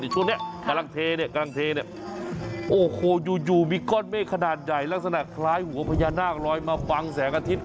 ช่วงนี้กำลังเทเนี่ยกำลังเทเนี่ยโอ้โหอยู่มีก้อนเมฆขนาดใหญ่ลักษณะคล้ายหัวพญานาคลอยมาบังแสงอาทิตย